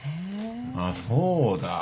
あっそうだ。